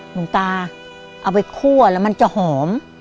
หลวงตาเอาไปคั่วแล้วมันจะหอม